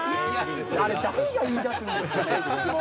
あれ、誰が言いだすんですかね。